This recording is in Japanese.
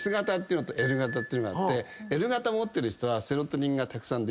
Ｓ型とＬ型っていうのがあってＬ型持ってる人はセロトニンがたくさん出る。